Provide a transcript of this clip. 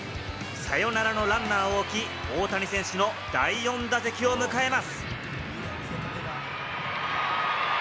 サヨナラのランナーを置き、大谷選手の第４打席を迎えます。